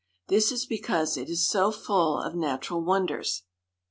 This is because it is so full of natural wonders.